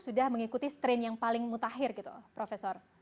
sudah mengikuti strain yang paling mutakhir gitu profesor